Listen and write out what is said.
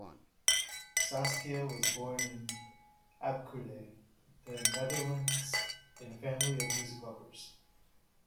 Saskia was born in Abcoude, the Netherlands in a family of music lovers.